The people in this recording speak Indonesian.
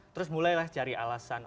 terus mulailah cari alasan